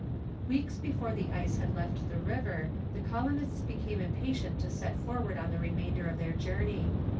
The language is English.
Weeks before the ice had left the river, the colonists became impatient to set forward on the remainder of their journey.